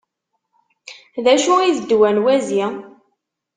D acu i d ddwa n wazi?